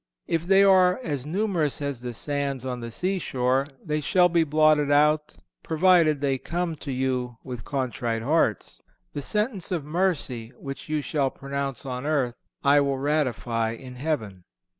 (442) If they are as numerous as the sands on the seashore, they shall be blotted out, provided they come to you with contrite hearts. The sentence of mercy which you shall pronounce on earth I will ratify in heaven.